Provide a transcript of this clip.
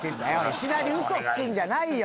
いきなり嘘つくんじゃないよ